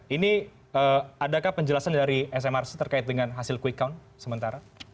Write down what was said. ini adakah penjelasan dari smrc terkait dengan hasil quick count sementara